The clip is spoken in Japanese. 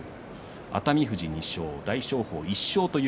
熱海富士が２勝大翔鵬が１勝です。